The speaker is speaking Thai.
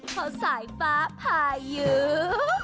เพราะสายฟ้าพายุ